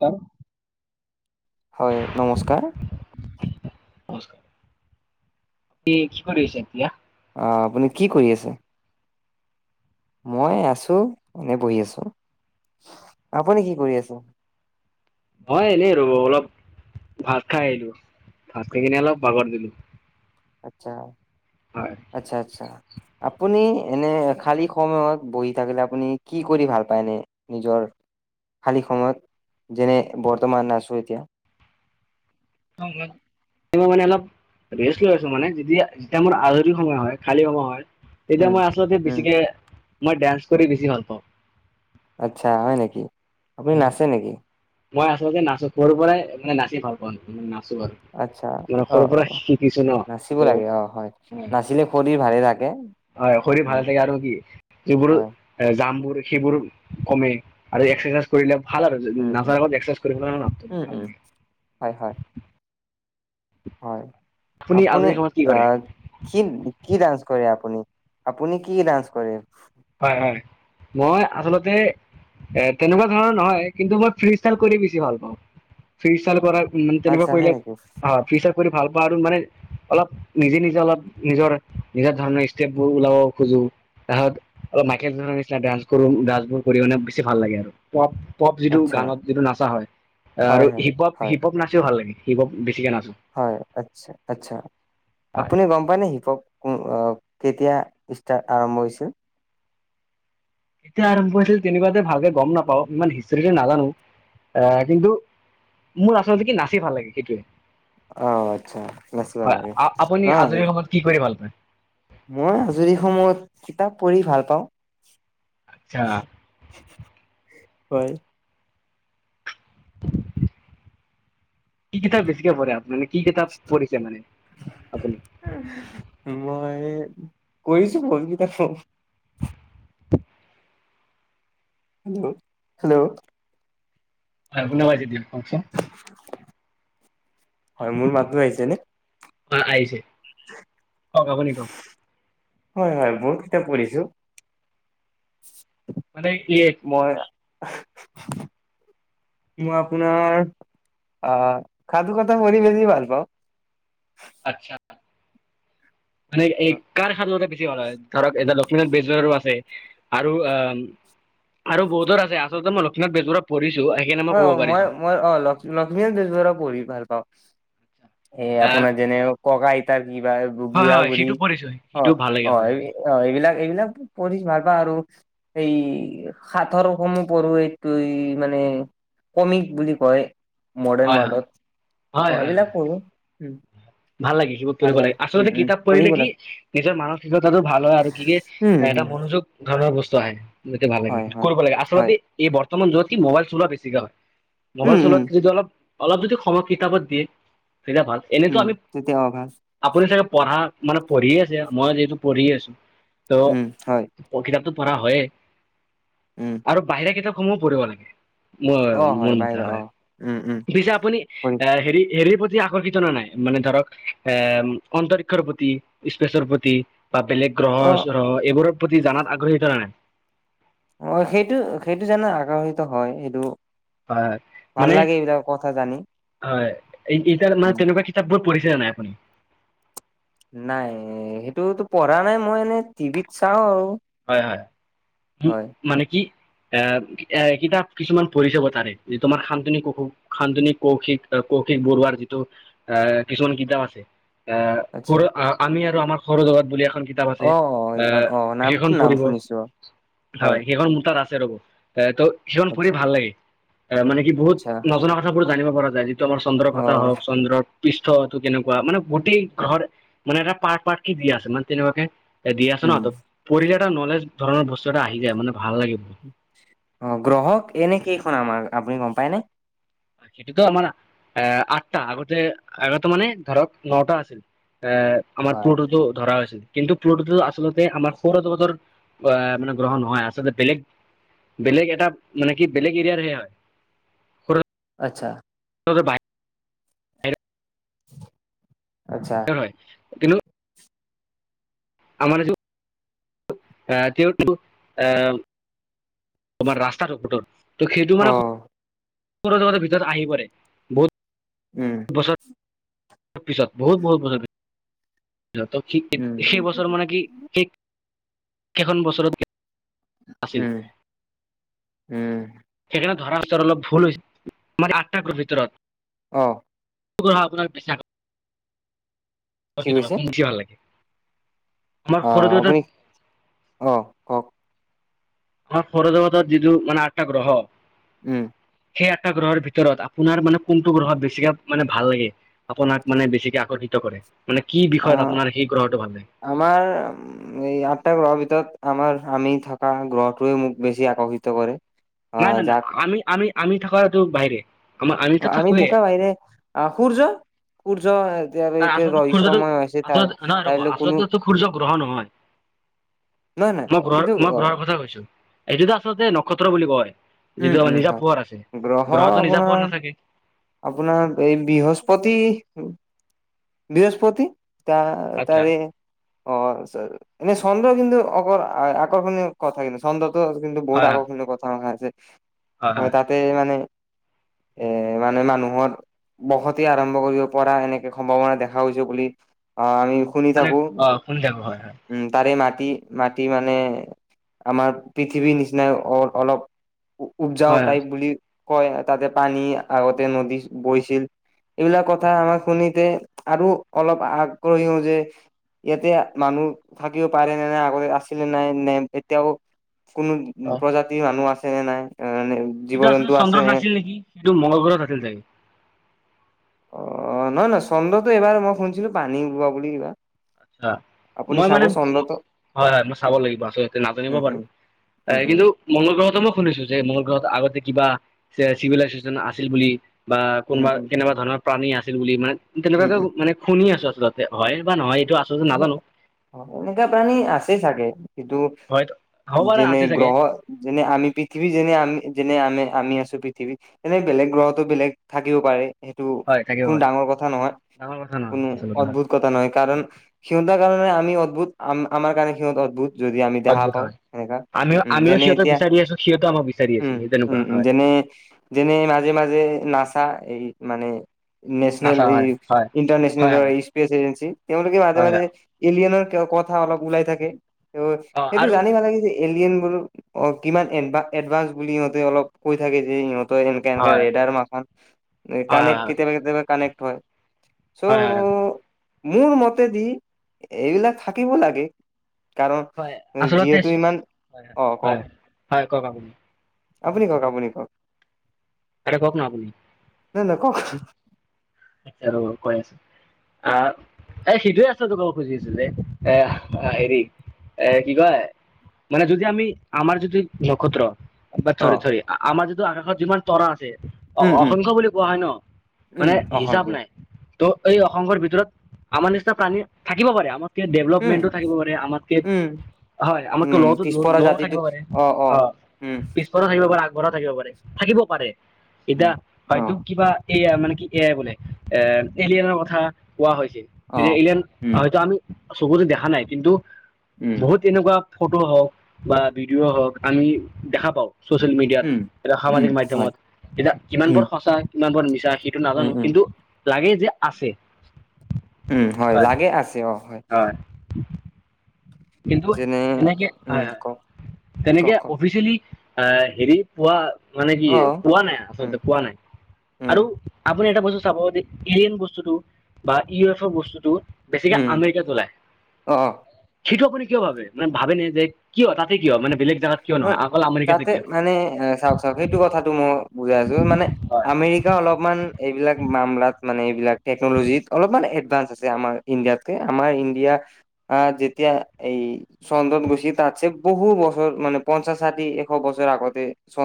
হা হয় নমস্কাৰ নমস্কাৰ, কি কি কৰি আছা এতিয়া? আ আপুনি কি কৰি আছে? মই আছো এনে বহি আছো, আপুনি কি কৰি আছে? মই এনেই ৰব অলপ ভাত খাই আহিলো, ভাত খাই কিনে অলপ বাগৰ দিলো। আচ্ছা। হয় আচ্ছা আচ্ছা আপুনি এনে খালি সময়ত বহি থাকিলে আপুনি কি কৰি ভাল পায় এনে? নিজৰ খালী সময়ত যেনে বৰ্তমান আছো এতিয়া এনৌ মানে অলপ ৰেষ্ট লৈ আছো মানে যেতিয়া যেতিয়া মোৰ আজৰি সময় হয় খালী সময় হয় তেতিয়া উম মই আচলতে উম বেছিকে মই ডেন্স কৰি বেছি ভাল পাওঁ। আচ্ছা হয় নেকি, আপুনি পাওঁ। নাচে নেকি? মই আচলতে নাচো সৰুৰ পৰাই মানে নাচি ভাল পাওঁ ন নাচো আৰু। আচ্ছা মানে অ অ সৰুৰ পৰা শিকিছো ন নাচিব ত' লাগে অ হয় নাচিলে শৰীৰ ভালে থাকে। হয় শৰীৰ উম ভাল থাকে আৰু কি যিবোৰো হয় এ জামবোৰ সেইবোৰ কমে আৰু এক্সাৰচাইজ কৰিলে ভাল আৰু উম উম নাচাৰ আগত এস্কেচাইজ কৰিব লাগে ন উম উম ত হয় হয়। হয় আপুনি আজৰি সময়ত কি আ কৰে? কি কি ডান্স কৰে আপুনি, আপুনি কি ডান্স কৰে? হয় হয়, মই আচলতে এ তেনেকুৱা ধৰণৰ নহয়। কিন্তু মই ফ্ৰী ষ্টাইল কৰি বেছি ভাল পাওঁ। ফ্ৰী ষ্টাইল কৰা উম' মানে তেনেকুৱা আচ্ছা হয় কৰিলে নেকি? বা ফিউচাৰ কৰি ভাল পাওঁ আৰু মানে অলপ নিজে নিজে অলপ নিজৰ নিজৰ ধৰণৰ ষ্টেপবোৰ ওলাব খোজো তাৰাহত অলপ মাইকেলৰ নিচিনা ডান্স কৰোঁ ডান্সবোৰ কৰি মানে বেছি ভাল লাগে আৰু। পপ যিটো আচ্ছা গানত যিটো নাচা হয় হয় আৰু হয় হিপ হপ হয় হিপ হপ নাচিও ভাল লাগে হিপ হপ বেছিকে নাছো। হয় আচ্ছা আচ্ছা, হয়। আপুনি গম পায়নে হিপ হপ? [unintelligible] কেতিয়া ষ্টাৰ্ট আৰম্ভ হৈছিল? কেতিয়া আৰম্ভ হৈছিল তেনেকুৱাতে ভালকে গ'ম নাপাও। ইমান হিষ্ট্ৰিকে নাজানো আহ কিন্তু মোৰ আচলতে কি নাচি ভাল লাগে, সেইটোৱে। অহ' আচ্ছা নাচি ভাল হয় লাগে, আপুনি অহ আজৰি সময়ত কি কৰি ভাল পায়? মই আজৰি সময়ত কিতাপ পঢ়ি ভাল পাওঁ। আচ্ছা [unintelligible] হয়। কি কিতাপ বেছিকে পঢ়ে আপুনি? মানে কি কিতাপ পঢ়িছে মানে আপুনি? মই কৰিছোঁ ভুল কিতাপখন হেল্ল' হেল্ল'। [unintelligible] হয় শুনোৱাই [unintelligible] হয় মোৰ মাতটো আহিছে নে? অহ আহিছে কওঁক আপুনি কওঁক। হয় হয় বহুত কিতাপ পঢ়িছো। মানে কি এই মই [unintelligible] মই আপোনাৰ অহ' সাধু কথা কৰি বেছি ভাল পাওঁ। আচ্ছা মানে, এই কাৰ সাধু কথা বেছি ভাল হয়? ধৰক এটা লক্ষ্মীনাথ বেজবৰুৱাৰো আছে। আৰু আহ আৰু বহুতৰ আছে আচলতে মই লক্ষ্মীনাথ বেজবৰুৱাৰ পঢ়িছোঁ। হয় মই মই অহ' লক্ষী লক্ষ্মীনাথ বেজবৰুৱা পঢ়ি ভাল পাওঁ। এ আহ আপোনাৰ যেনে ককা-আইতাৰ কি বা হয় বুঢ়া হয় বুঢ়ী সিটো পঢ়িছো সিটো অহ' ভাল লাগে অহ' হয় এই হয় অহ' এইবিলাক এইবিলাক পঢ়ি ভাল পাওঁ আৰু এই সাথৰসমুহ পঢ়োঁ এইটো এই মানে কমিক বুলি কয় মডাৰ্ণ হয় ৱাৰ্ডত হয় হয় অহ' হয় এইবিলাক পঢ়োঁ। ভাল লাগি। [unintelligible] লাগে। আচলতে কিতাপ পঢ়িলে পঢ়িব কি লাগে নিজৰ মানসিকতাটো ভাল হয়। আৰু [unintelligible] উম এটা উম মনোযোগ ঘৰৰ বস্তু আহে যেতিয়া ভাল হয় হয় কৰিব লাগে হয় আচলতে এই বৰ্তমান যুগত কি মোবাইল চলোৱা বেছিকে হয়। মোবাইল উম উম চলোৱাত যদি অলপ অলপ যদি সময় কিতাপত দিয়ে সেইয়া ভাল। এনেতো উম' আমি তেতিয়া অহ' ভাল। আপুনি চাগে পঢ়া মানে পঢ়িয়ে আছে মই, যিহেতু পঢ়ি আছো ত উম হয় [unintelligible] পঢ়া হয়েই উম আৰু বাহিৰা কিতাপসমূহো পঢ়িব লাগে। মই অ মোৰ মতে বাহিৰা অ হয় উম উম পিছে আপুনি কৰিম এ হেৰি হেৰিৰ প্ৰতি আকৰ্ষিত ন' নে নাই মানে ধৰক এ অন্তৰিষৰ প্ৰতি স্পেচৰ প্ৰতি বা বেলেগ গ্ৰহ অ অ চ্ৰহৰ এইবোৰৰ প্ৰতি জানাত আগ্ৰহী হৈছা নে নাই? অহ' সেইটো সেইটো জানা আকৰ্ষিত হয় সেইটো হয় ভাল মানে লাগে এইবিলাক কথা জানি হয় এইকেতাৰ উম মানে তেনেকুৱা কিতাপ বহুত পঢ়িছে নে নাই আপুনি? নাই সেইটোতো পঢ়া নাই মই এনেই টিভিত চাওঁ আৰু হয় হয় উ হয় মানে কি এ এ কিতাপ কিছুমান পঢ়িছে [unintelligible] যে তোমাৰ শান্তনিক কৌশ শান্তনিক কৌশিক কৌশিক বৰুৱাৰ যিটো আহ কিছুমান কিতাপ আছে আহ আচ্ছা সৰু আমি আৰু আমাৰ সৌৰজগত বুলি এখন কি অ অ সেই খন অ নামটো সেইখন নাম পঢ়িব হয় শুনিছো হয় সেইখন মোৰ তাত [unintelligible] ৰ'ব ত কিছুমান পঢ়ি আচ্ছা ভাল লাগে অ মানে কি বহুত আচ্ছা নজনা কথাবোৰ জানিব পৰা যায়। তোমাৰ অ চন্দ্ৰৰথা হওক চন্দ্ৰক পৃষ্ঠটো কেনেকুৱা মানে গোটেই গ্ৰহৰ মানে এটা পাৰ্ট পাৰ্ট কি দি আছে মানে তেনেকুৱাকে। এ দি আছ ন উম তাত পঢ়িলে এটা নলেজ ধৰণৰ বস্তু এটা আহি যায় মানে ভাল লাগিব। অ গ্ৰহ এনে কেইখন আমাৰ আপুনি গম পায়নে? সেইটোতো আমাৰ এ আঠটা আগতে-আগতে মানে ধৰক নটা আছিল। আহ আমাৰ হয় প্লুটোতো ধৰা হৈছিল কিন্তু প্লুটোতো আচলতে আমাৰ সৌৰজগতৰ আহ মানে গ্ৰহ নহয় আচলতে বেলেগ বেলেগ এটা মানে কি বেলেগ এৰিয়াৰহে হয় আতচ্ছা ত ভাই আতচ্ছা হয় কিন্ত আমাৰ আহ যিহেতু আহ [inaudible] তোমাৰ ৰাস্তাৰ [unintelligible] ত' সেইটো অ মানে সৌৰজগতৰ ভিতৰত আহি পৰে বহুত উম বছৰ পিছত বহুত বহুত বছৰ হ স উম সেই বছৰ মানে কি সেই সেইখন বছৰত আছিল উম উম সেইকাৰণে ধৰা স্থৰ অলপ ভুল হৈছে মানে আঠটা গ্ৰহ ভিতৰত অ' আপোনাক [unintelligible] হয় মোৰ কি কৈছে কেতিয়াবা উঠি ভাল লাগে আমাৰ অ' সৌৰজগতত আপুনি অ' কওক আমাৰ সৌৰজগত যিটো মানে আঠটা গ্ৰহ উম সেই আঠটা গ্ৰহৰ ভিতৰত আপোনাৰ মানে কোনটো গ্ৰহত বেছিকে মানে ভাল লাগে আপোনাক মানে বেছিকে আকৰ্ষিত কৰে মানে কি আহ বিষয়ত আপোনাৰ সেই গ্ৰহটো ভাল লাগে আমাৰ এই আঠটা গ্ৰহৰ ভিতৰত আমাৰ আমি থকা গ্ৰহটোৱে মোক বেছি আকৰ্ষিত কৰে নাই আহ নাই নাই যাক আমি- আমি- আমি থাকাটোৰ বাহিৰে আমাৰ আমিতো আমি থাকোৱে থাকা বাহিৰে আহ সূৰ্য সূৰ্য তাৰ [unintelligible] আচলতে সূৰ্যটো ৰহস্যময় আছে তাৰ আচলতে নহয় ৰ'ব তলে কোনো আচলতেতো সূৰ্য গ্ৰহ নহয় নহয় নহয় মই গ্ৰহৰ কিন্তু মই অ গ্ৰহৰ কথা কৈছো এইটোতো আচলতে নক্ষত্ৰ বুলি কয় যিটো উম আমাৰ উম নিজা হয় পোহাৰ আছে। গ্ৰহ গ্ৰহটোৰ নিজা পোহৰ আপোনাৰ নাথাকে। আপোনাৰ এই বৃহস্পতি, বৃহস্পতি। ত আচ্ছা তাৰে অ' এনে চন্দ্ৰ কিন্তু অকল আকৰ্ষণীয় কথা কিন্তু চন্দতো কিন্তু বহুত হয় হয় আগ খিনি কথা আছে। হয়, তাতে মানে এ মানে মানুহৰ বসতি আৰম্ভ কৰিব পৰা এনেকে সম্ভাৱনা দেখা গৈছে বুলি অ' আমি শুনি মানে থাকো। অ শুনি থাকো হয় হয় উম, তাৰে মাটি মাটি মানে আমাৰ পৃথিৱীৰ নিচিনাই অ' অলপ উপজাও হয় হয় টাইপ বুলি কয় তাতে পানী আগতে নদী বৈছিল। এইবিলাক কথা আমাক শুনিতে আৰু অলপ আগ্ৰহীও যে ইয়াতে মানুহ থাকিব পাৰে নে নাই আগতে আছিলে নাই নে এতিয়াও কোনো অ প্ৰজাতিৰ মানুহ আছে নে নাই এ [unintelligible] সিটো আছিল চন্দ্ৰত নাছিল নেকি? সিটো মংগল গ্ৰহত আছিল চাগে! অ' নহয় নহয় চন্দ্ৰটো এইবাৰ মই শুনিছিলো পানী ওলোৱা বুলি কিবা। হয় আপুনি মই চাব মানে চন্দ্ৰটো হয়হয় মই চাব লাগিব আচলতে নাজানিব উম পাৰো। উম উম এই কিন্তু মংগল গ্ৰহটো মই শুনিছো যে মংগল গ্ৰহত আগতে কিবা চিভিলাইজেচন আছিল বুলি। বা উম কোনোবা উম কেনেবা ধৰণৰ প্ৰাণী আছিল বুলি মানে উম উম তেনেবাকে মানে শুনি আছো আচলতে হয়। নহয়, এইটো আচলতে এনে, নাজানো এনেকুৱা প্ৰাণী আছে চাগে। কিন্তু, হয় হ'ব পাৰে যেনে আছে চাগে গ্ৰহ যেনে আমি পৃথিৱী, যেনে আমি যেনে, আমি আমি আছো পৃথিৱী। তেনেকে বেলেগ গ্ৰহতো, বেলেগ থাকিব পাৰে। সেইটো হয় থাকিব কোনো পাৰে ডাঙৰ কথা নহয় ডাঙৰ কথা নহয় কোনো আচলতে হয় অদ্ভুত নহয় কাৰণ সিহঁতৰ কাৰণে আমি অদ্ভুত আম আমাৰ কাৰণে সিহঁত অদ্ভুত। যদি আমি দেখা অদ্ভুত পাওঁ হয় সেনেকা আমিও উম, আমিও যেনে সিহঁতক এতিয়া বিচাৰি আছো সিহঁতেও আমাক বিচাৰি আছে উম। সেই তেনেকুৱা উম, উম হয় যেনে-যেনে মাজে মাজে নাচা এই মানে নেশ্যনেল নাচা এই হয় হয় ইণ্টাৰনেশ্যনেল হয় হয় এই স্পেচ এজেঞ্চি তেওঁলোকে মাজে হয় মাজে হয় এলিয়নৰ তেওঁ কথা অলপ ওলাই থাকে ত' অ সেইটো আৰু জানিব লাগে যে এলিয়েন বোৰো অ' কিমান এ এডভান্স বুলি ইহঁতে অলপ কৈ থাকে যে ইহঁ এনেকা এনেকা হয় হয় ৰেডাৰ মাথা হয় কানেক কেতিয়াবা কেতিয়াবা কানেক্ট হয়। চ' হয়-হয়-হয়। মোৰ মতেদি এইবিলাক থাকিব লাগে। হয় কাৰণ আচলতে হয় যিহেতু ইমান হয় অ' কওক। [unintelligible] আপুনি কওক, আপুনি কওক। আৰে কওক না আপুনি। নাই নাই ক'ক। [unintelligible] অ' কৈ আছো। আহ, এ সিইটোৱে আচলতে তোক ক'ব খুজি আছো যে এ হেৰি এ কি কয় মানে যদি আমি আমাৰ যিটো নক্ষত্ৰ। বাট অ' চৰি-চৰি আমাৰ যিটো আকাশত যিমান তৰা আছে উম, উম। অসংখ্য বুলি কোৱা হয় ন' উম, মানে হিচাপ অসংখ্য নাই ত' এই অসংখ্যৰ ভিতৰত আমাৰ নিচিনা প্ৰাণী থাকিব পাৰে। আমাৰ উম, ডেভেলপমেন্টটো থাকিব পাৰে আমাতকে উম, হয়, আমাৰ উম, লগটো পিছপৰা লগটো থাকিব জাতিটোক পাৰে অ' উম, কি থাকিব পাৰে, আগবঢ়া থাকিব পাৰে, থাকিব পাৰে, এতিয়া উম, হয়তো, অ', কিবা এইয়া মানে কি এয়াই বোলে, এ এলিয়েনৰ কথা কোৱা হৈছে, অ', এলিয়েন উম, হয়তো আমি চকুতো দেখা নাই কিন্তু উম, বহুত তেনেকুৱা ফটো হওঁক বা ভিডিঅ' হওঁক আমি দেখা পাওঁ। চচিয়েল মিডিয়াত, উম। এতিয়া উম, সামাজিক হয়, মাধ্যমত, এতিয়া কিমান উম, বোৰ সঁচা, কিমান বোৰ মিছা উম, নাজানো, উম, কিন্তু লাগে যে আছে। উম, হয় লাগে আছে, অঁ হয়। হয়। কিন্তু, যেনে এনেকে উম, হয় হয়, কওক, তেনেকে কওক, কওক, অফিচিয়েলি অ, হেৰি পোৱা মানে কি অ', কোৱা নাই, উম, আচলতে কোৱা নাই। উম, আৰু আপুনি এটা বস্তু চাব, যে এলিয়েন বস্তুটো বা ইউ এফৰ বস্তুটো বেছিকে আমেৰিকাত ওলাই। অঁ। সেইটো আপুনি কিয় ভাবে, মানে ভাবেনে যে, কিয়, তাতে কিয়? মানে বেলেগ জেগাত কিয় নহয় অকল আমেৰিকাতে তাতে কিয় মানে চাওঁক তাকে সেইটো কথাটো মই বুজাই আছো, মানে হয় আমেৰিকা অলপমান এইবিলাক মামলাত, মানে এইবিলাক টেকনলজিত, অলপমান এডভানঞ্চ আছে আমাৰ ইণ্ডিয়াতকে, আমাৰ ইণ্ডিয়া আ, যেতিয়া, এই চন্দ্ৰত গৈছে, তাতছে বহুত বছৰ মানে পঞ্চাছ, ষাঠি, এশ বছৰ আগতে চ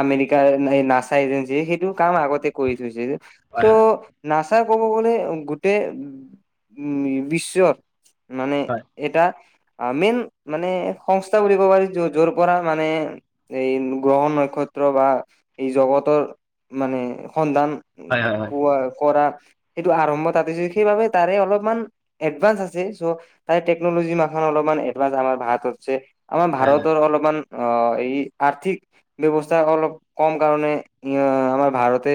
আমেৰিকাৰ নাচা এজেঞ্চি সেইটো কাম আগতে কৰি থৈছে যে ত, হয় নাচা ক'ব গ'লে গোটেই উম বিশ্বত মানে হয় এটা মেইন মানে সংস্থা বুলি ক'ব পাৰি, যত যোৰ পৰা মানে এই গ্ৰহণ নক্ষত্ৰ বা এই জগতৰ। মানে সধান হয় হয় হয়। ক কৰা সেইটো আৰম্ভ তাছো সেইবাবে তাৰে অলপমান এডভান্স আছে, চ' তাই টেকনলজি মাখ অলপমান এডভানস আমাৰ ভাৰততছে আমাৰ হয় ভাৰত অপমান এই আৰ্থিক ব্যৱস্থা অলপ কম কাৰণে এ আমাৰ ভাৰতে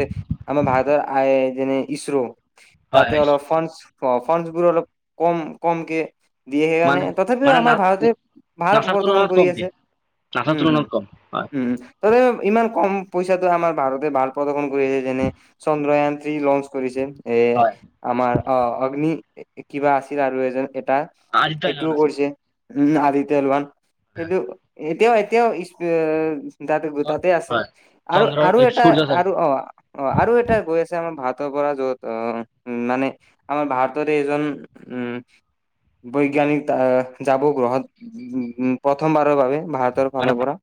আমাৰ ভাৰতৰ আই যেনে ইঈছ্ৰো হয় হয় তাতে হয় অলপ ফণ্ডছ অঁ ফাণ্ডছবোৰ অলপ কম কমকে দিয়ে সেইকাৰণে মানে তথাপিও মানে না আমাৰ ভাৰতে ভাল নাচাৰ প্ৰৰদৰ্শন তুলনাত কৰি আছে। কমকে নাচাৰ উম উম তুলনাত কম হয় উম উম। ত ইমান কম পইচাটো আমাৰ ভাৰতে ভাল প্ৰদৰ্শন কৰি আছে যেনে চন্দ্ৰয়ান থ্ৰী লঞ্চ কৰিছে এ হয় আমাৰ অ অগ্নি কিবা আছিল আৰু এজন এটা আদিত্য এলেন সেইটোও আছিল কৰিছে, উম আদিত্য এলৱান। হয় সেইটো এতিয়াও এতিয়াও তাতে চ- তাতে আছে, হয় আৰু চন্দ্ৰৰ আৰু এই এটা সূৰ্য চাৰি আৰু অঁ অঁ আৰু এটা গৈ আছে আমাৰ ভাৰতৰ পৰা য'ত অঁ উম মানে আমাৰ ভাৰতৰ এজন উম বৈজ্ঞানিক আহ যাব গ্ৰহত উম প্ৰথমবাৰৰ বাবে ভাৰতৰ মানে ফালৰ পৰা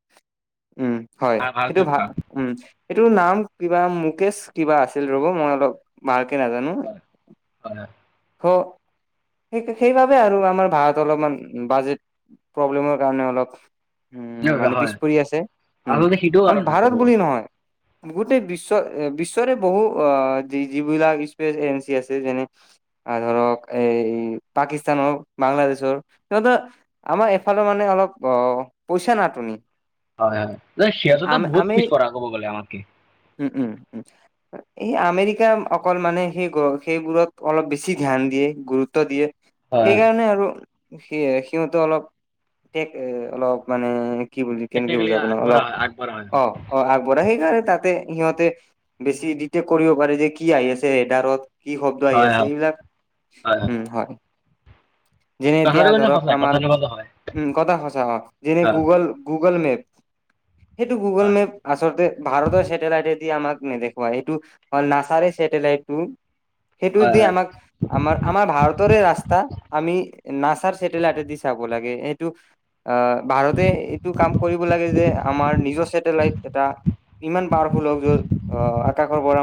উম হয় ভাৰতৰ সেইটো ভা পৰা হয় উম, এইটোৰ নাম কিবা মুকেশ কিবা আছিল ৰ'ব মই অলপ ভালকে নাজানো। হয় হয়। স সেই-সেইবাবে আৰু আমাৰ ভাৰত অলপমান বাজেট প্ৰব্লেমৰ কাৰণে অলপ উম্ তেনেকুৱা মানে পিছ হয় পৰি আছে। আচলতে সেইটোও উম। কাৰণ হয় ক'ব ভাৰত গ'লে বুলি নহয়। গোটেই বিশ্ব অ বিশ্বৰে বহু অ যি-যিবিলাক স্পেচ এজেঞ্চি আছে যেনে- ধৰক এই পাকিস্তানৰ, বাংলাদেশৰ, সিহত আমাৰ এফালে মানে অলপ অ পইচা নাতনি। হয় হয় হয়, সিহঁতে বহুত পিছ পৰা কব গ'লে আমাৰ কে। উম-উম উম, এই আমেৰিকা অকল মানে সেই সেইবোৰত অলপ বেছ- বছি ধ্যান দিয়ে, গুৰুত্ব দিয়ে। হয় সেইকাৰণে আৰু সি-সিহতে অলপ টেক অ-অলপ মানে কি বুলি, কেনেকে টেকনিকেলি বুজাম আপোনাক অলপ আগবঢ়া আগবঢ়া হয় অঁ। অ আগবঢ়া সেইকাৰণে তাতে সিহঁতে বেছি ডিটেক্ট কৰিব পাৰে যে কি আহি আছে ৰেডাৰত। কি শব্দ আহি হয় আছে হয় সেইবিলাক, উম হয়। যেনে এতিয়া কথাটো কিন্তু ধৰক সঁচাই আমাৰ কথাটো কিন্তু হয় উম কথা সঁচা হ যেনে হয় গুগল গুগল মেপ। সেইটো গুগল হয় মেপ আচলতে ভাৰতৰ চেটেলাইটেদি আমাক নেদেখুৱাই এইটো নাচাৰে চেটেলাইটটো। টোইদি হয় আমাক আমাৰ আমাৰ ভাৰতৰে ৰাস্তা। আমি নাচাৰ চেটেলাইটেদি চাব লাগে এইটো আহ ভাৰতে এইটো কাম কৰিব লাগে যে আমাৰ নিজৰ চেটেলাইট এটা ইমান পাৱাৰফুল হওক য'ত অ আকাশৰ পৰা